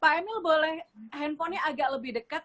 pak emil mohon izin saya ingin tahu apa kabupaten ini